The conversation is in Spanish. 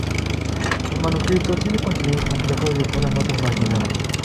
El manuscrito tiene contenidos complejos y algunas notas marginales.